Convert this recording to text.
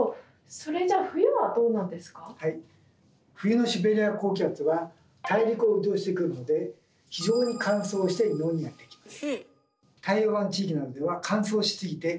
それじゃあ冬のシベリア高気圧は大陸を移動してくるので非常に乾燥して日本にやってきます。